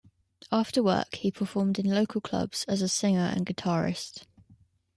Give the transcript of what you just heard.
After work, he performed in local clubs as singer and guitarist.